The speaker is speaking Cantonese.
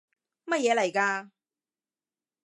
乜嘢嚟㗎？